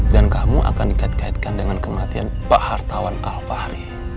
dan kamu akan dikait kaitkan dengan kematian pak hartawan alvari